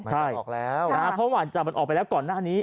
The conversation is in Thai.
ใช่เพราะว่าหมายจับออกไปแล้วก่อนหน้านี้